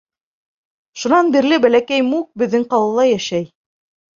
Шунан бирле бәләкәй Мук беҙҙең ҡалала йәшәй.